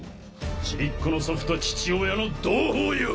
ちびっ子の祖父と父親の同胞よ